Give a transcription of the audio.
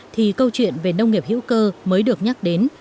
thì câu chuyện về nông nghiệp hữu cơ mới được nhắc đến